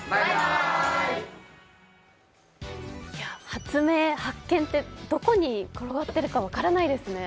発明、発見って、どこに転がってるか分からないですね。